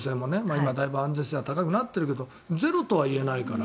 今だいぶ安全性は高くなっているけれどゼロとは言えないから。